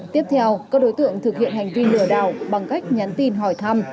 tiếp theo các đối tượng thực hiện hành vi lừa đảo bằng cách nhắn tin hỏi thăm